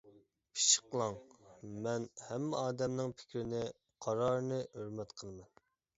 پىششىقلاڭ. مەن ھەممە ئادەمنىڭ پىكرىنى، قارارىنى ھۆرمەت قىلىمەن.